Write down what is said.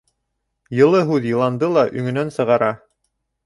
Йылы һүҙ йыланды ла өңөнән сығара.